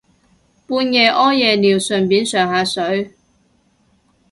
半夜屙夜尿順便上下水